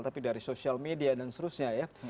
tapi dari sosial media dan seterusnya ya